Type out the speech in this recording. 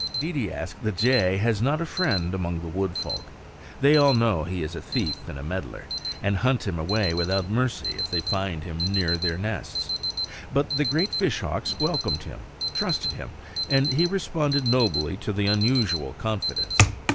Deedeeaskh the jay has not a friend among the wood folk. They all know he is a thief and a meddler, and hunt him away without mercy if they find him near their nests. But the great fishhawks welcomed him, trusted him; and he responded nobly to the unusual confidence.